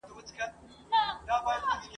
څو کوتري یې وې ښکار لره روزلي `